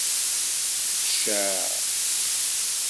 Qceɛ!